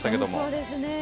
そうですね。